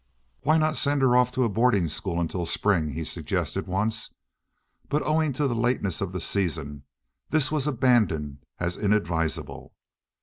"Why not send her off to a boarding school until spring?" he suggested once; but owing to the lateness of the season this was abandoned as inadvisable.